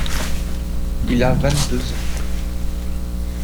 Il a vingt-deux ans.